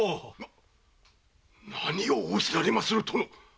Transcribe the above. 何を仰せられまする殿！